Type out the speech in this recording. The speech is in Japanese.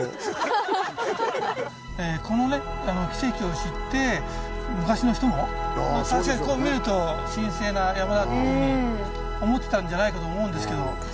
この奇跡を知って昔の人も確かにこう見ると神聖な山だっていうふうに思ってたんじゃないかと思うんですけど。